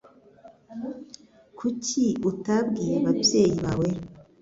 Kuki utabwiye ababyeyi bawe?